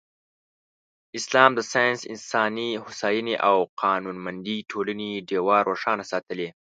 اسلام د ساینس، انساني هوساینې او قانونمندې ټولنې ډېوه روښانه ساتلې.